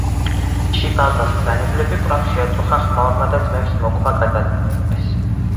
შიბალბას მბრძანებლები კვლავ შეაწუხა ხმაურმა და ძმებს მოკვლა გადაწყვიტეს.